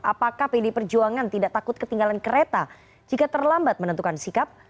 apakah pd perjuangan tidak takut ketinggalan kereta jika terlambat menentukan sikap